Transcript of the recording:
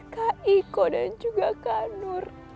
kak iko dan juga kak nur